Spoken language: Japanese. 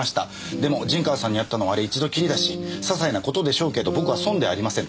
でも陣川さんに会ったのはあれ一度きりだし些細な事でしょうけど僕は「ソン」ではありません。